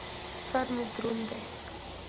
سر مې دروند دى.